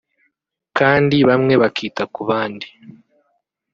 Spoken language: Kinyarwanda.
kandi bamwe bakita ku bandi